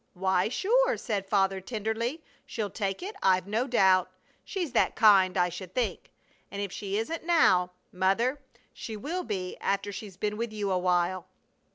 "Why, sure!" said Father, tenderly. "She'll take it, I've no doubt. She's that kind, I should think. And if she isn't now, Mother, she will be after she's been with you awhile!"